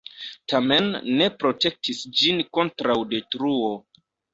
Tamen ne protektis ĝin kontraŭ detruo.